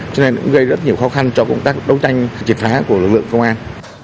cho nên cũng gây rất nhiều khó khăn cho công tác đấu tranh triệt phá của lực lượng công an